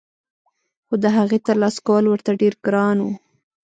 خو دهغې ترلاسه کول ورته ډېر ګران وو